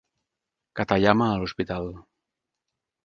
Katayama a l'Hospital...